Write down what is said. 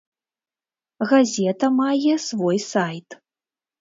Газета мае свой сайт.